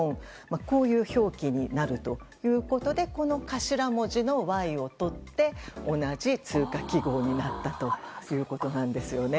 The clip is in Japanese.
こういう表記になるということでこの頭文字の「Ｙ」をとって同じ通貨記号になったということなんです。